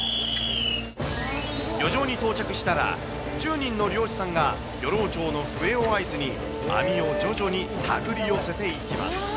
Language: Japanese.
漁場に到着したら、１０人の漁師さんが、漁労長の笛を合図に網を徐々に手繰り寄せていきます。